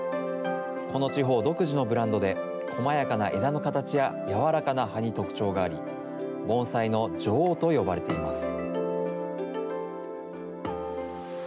この地方独自のブランドで、こまやかな枝の形や、柔らかな葉に特徴があり、盆栽の女王と呼ばれています。